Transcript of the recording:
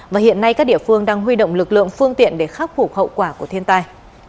và hiện nay các địa phương đang huy động lực lượng phương tiện để khắc phục hậu quả của thiên tai